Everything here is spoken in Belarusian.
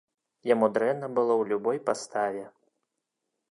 Яму дрэнна было ў любой паставе.